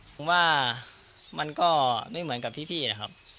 ผมว่ามันก็ไม่เหมือนกับพี่นะครับ